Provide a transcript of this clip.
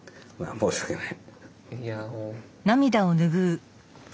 申し訳ない。